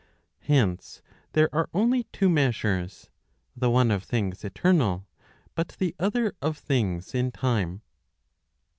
Hence, ♦ there are only two measures, the one of things eternal, but the other of things in time.